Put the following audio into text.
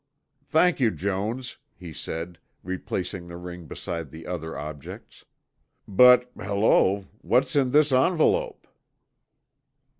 "Thank you, Jones," he said, replacing the ring beside the other objects. "But, hello, what's in this envelope?"